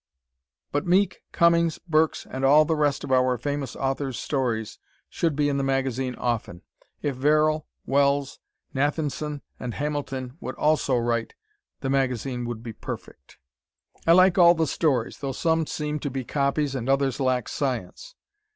But Meek, Cummings, Burks and all the rest of our famous authors' stories should be in the magazine often. If Verrill, Wells, Nathenson and Hamilton would also write, the magazine would be perfect. I like all the stories, though some seem to be copies, and others lack science.